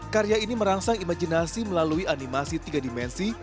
karya ini merangsang imajinasi melalui animasi tiga dimensi